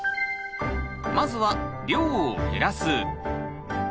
まずは「量を減らす」。